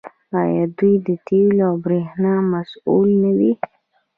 آیا دوی د تیلو او بریښنا مسوول نه دي؟